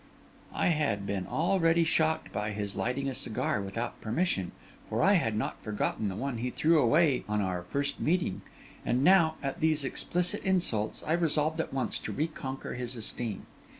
I had been already shocked by his lighting a cigar without permission, for I had not forgotten the one he threw away on our first meeting; and now, at these explicit insults, I resolved at once to reconquer his esteem.